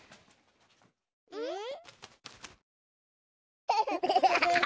うん？